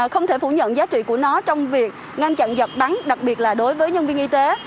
không thể phủ nhận giá trị của nó trong việc ngăn chặn giọt bắn đặc biệt là đối với nhân viên y tế